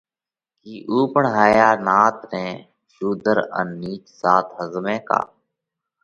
ڪِي اُو پڻ ھايا نات نئہ شُوڌر ان نِيچ زات ۿزمئھ ڪا